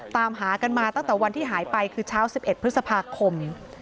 ตามหากันมาตั้งแต่วันที่หายไปคือเช้า๑๑พฤษภาคม